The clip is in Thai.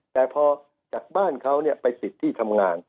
แต่พอจากบ้านเขาไปติดที่ทำงาน